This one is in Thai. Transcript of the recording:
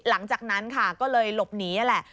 หลังจากนั้นค่ะก็เลยหลบหนีนั่นแหละ